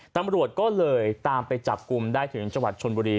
ตำรวจก็เลยตามไปจับกลุ่มได้ถึงจังหวัดชนบุรี